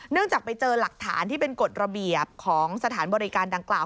จากไปเจอหลักฐานที่เป็นกฎระเบียบของสถานบริการดังกล่าว